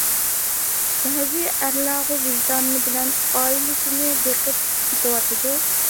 بەزى ئەرلەرغۇ ۋىجدانى بىلەن ئائىلىسىنى بېقىپ كېتىۋاتىدۇ.